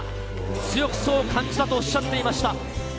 強くそう感じたとおっしゃっていました。